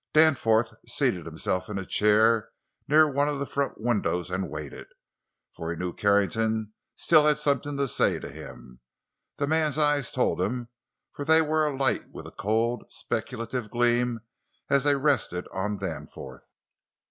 Danforth seated himself in a chair near one of the front windows and waited, for he knew Carrington still had something to say to him—the man's eyes told him, for they were alight with a cold, speculative gleam as they rested on Danforth.